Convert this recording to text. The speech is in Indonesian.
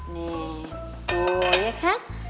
nih tuh iya kan